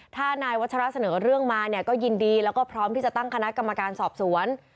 ถ้านายวัชระเสนอเรื่องมาเนี่ยก็ยินดีแล้วก็พร้อมที่จะตั้งคณะกรรมการสอบสวน